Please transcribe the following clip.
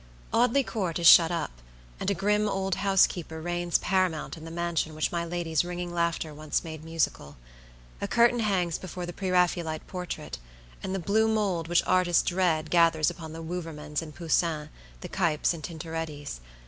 Audley Court is shut up, and a grim old housekeeper reigns paramount in the mansion which my lady's ringing laughter once made musical. A curtain hangs before the pre Raphaelite portrait; and the blue mold which artists dread gathers upon the Wouvermans and Poussins, the Cuyps and Tintorettis.